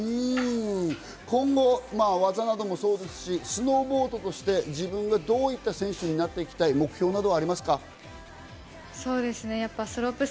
今後、技などもそうですし、スノーボーダーとして自分がどういった選手になっていきたい、目標などありますか？